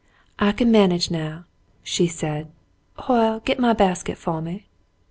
"I can manage now," she said. "Hoyle, get my basket foh me."